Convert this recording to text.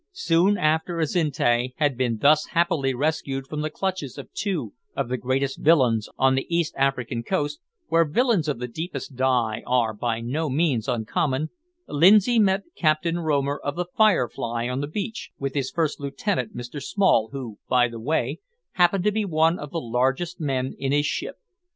Soon after Azinte had been thus happily rescued from the clutches of two of the greatest villains on the East African coast where villains of the deepest dye are by no means uncommon Lindsay met Captain Romer of the `Firefly' on the beach, with his first lieutenant Mr Small, who, by the way, happened to be one of the largest men in his ship.